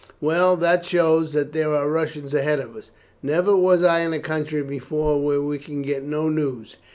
Well, that shows that there are Russians ahead of us. Never was I in a country before where we could get no news.